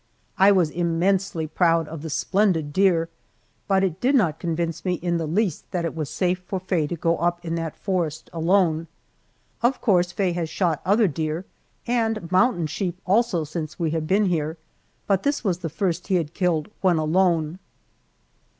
I was immensely proud of the splendid deer, but it did not convince me in the least that it was safe for Faye to go up in that forest alone. Of course Faye has shot other deer, and mountain sheep also, since we have been here, but this was the first he had killed when alone.